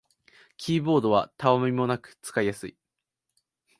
キーボードはたわみもなく使いやすい